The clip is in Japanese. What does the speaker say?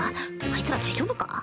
あいつら大丈夫か？